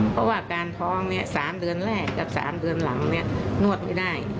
เพราะว่าการท้อง๓เดือนแรกกับ๓เดือนหลังนวดไม่ได้